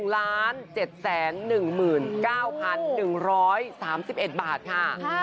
๑ล้าน๗แสน๑หมื่น๙พัน๑ร้อย๓๑บาทค่ะ